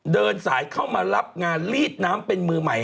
เดินสายเข้ามารับงานลีดน้ำเป็นมือใหม่